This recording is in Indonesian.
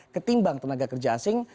ketimbang tenaga kerja asing